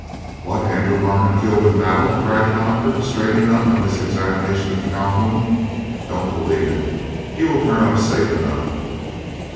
"What! Andrew Harmon killed in battle?" cried the Doctor, straightening up from his examination of Calhoun. "Don't believe it. He will turn up safe enough."